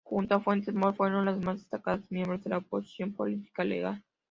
Junto a Fuentes Mohr fueron los más destacados miembros de la oposición política legal.